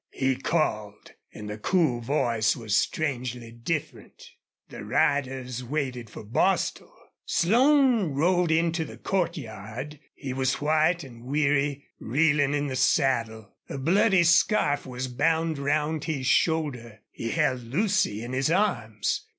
he called, and the cool voice was strangely different. The riders waited for Bostil. Slone rode into the courtyard. He was white and weary, reeling in the saddle. A bloody scarf was bound round his shoulder. He held Lucy in his arms.